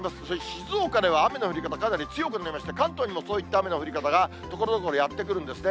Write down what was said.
静岡では雨の降り方、かなり強くなりまして、関東にもそういった雨の降り方がところどころやって来るんですね。